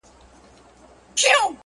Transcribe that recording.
ساقي وتاته مو په ټول وجود سلام دی پيره”